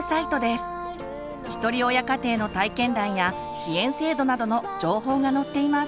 ひとり親家庭の体験談や支援制度などの情報が載っています。